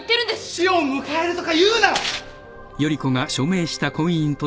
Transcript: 死を迎えるとか言うな！